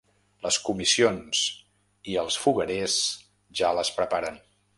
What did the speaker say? Les comissions i els foguerers ja les preparen.